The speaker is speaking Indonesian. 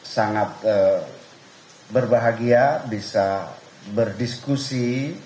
sangat berbahagia bisa berdiskusi